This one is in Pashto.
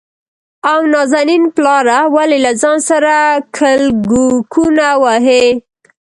او نازنين پلاره ! ولې له ځان سره کلګکونه وهې؟